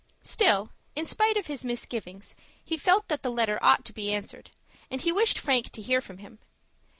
Still, in spite of his misgivings, he felt that the letter ought to be answered, and he wished Frank to hear from him.